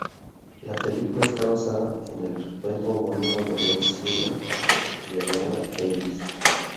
La película está basada en el cuento homónimo best-seller de Deborah Ellis.